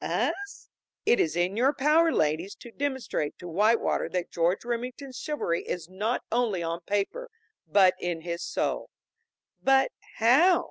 "Us?" "It is in your power, ladies, to demonstrate to Whitewater that George Remington's chivalry is not only on paper, but in his soul." "But how?"